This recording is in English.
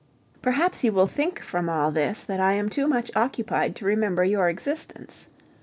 Perhaps you will think from all this that I am too much occupied to remember your existence.